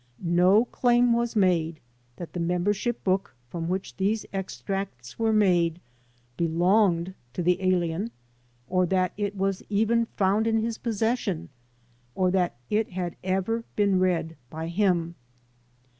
No claim was made that the membership book from which these extracts were made belonged to the alien or that it was even found in his possesion, or that it had ever been read by him.